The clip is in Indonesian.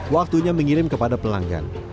waktunya mengirim kepada pelanggan